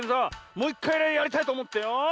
もういっかいやりたいとおもってよ。